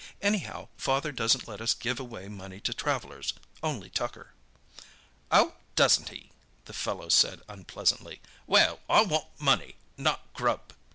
"Anyhow, father doesn't let us give away money to travellers—only tucker." "Oh, doesn't he?" the fellow said unpleasantly. "Well, I want money, not grub."